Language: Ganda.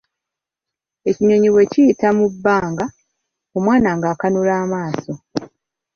Ekinyonyi bwe kyayita mu bbanga, omwana n'akanula amaaso.